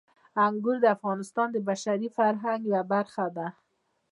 انګور د افغانستان د بشري فرهنګ یوه برخه ده.